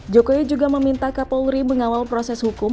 jokowi juga meminta kapolri mengawal proses hukum